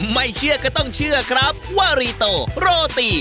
ไม่เชื่อก็ต้องเชื่อครับว่ารีโตโรตี